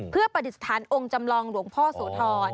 เพื่อปฏิสถานองค์จำลองหลวงพ่อโสธร